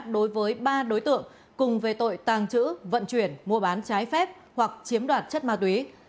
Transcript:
đối với ba đối tượng cùng về tội tàng trữ vận chuyển mua bán trái phép hoặc chiếm đoạt chất ma túy